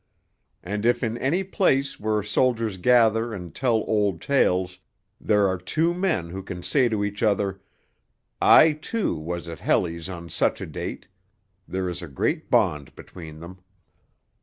And if in any place where soldiers gather and tell old tales, there are two men who can say to each other, 'I, too, was at Helles on such a date,' there is a great bond between them.